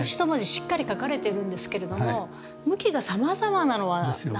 しっかり書かれてるんですけれども向きがさまざまなのは何でしょうか？